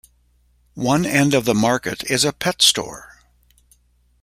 One end of the market is a pet store.